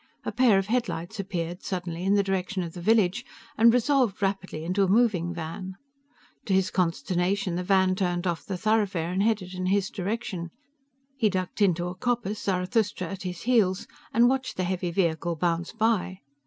A pair of headlights appeared suddenly in the direction of the village and resolved rapidly into a moving van. To his consternation, the van turned off the thoroughfare and headed in his direction. He ducked into a coppice, Zarathustra at his heels, and watched the heavy vehicle bounce by.